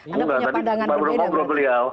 enggak tadi baru ngobrol ngobrol beliau